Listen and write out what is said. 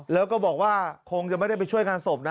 แล้วก็บอกว่าคงจะไม่ได้ไปช่วยงานศพนะ